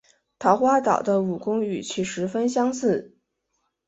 桃花岛的武功与其十分相似。